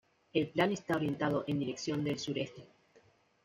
El plan está orientado en dirección del sureste.